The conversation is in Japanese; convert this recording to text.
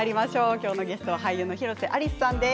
今日のゲストは俳優の広瀬アリスさんです。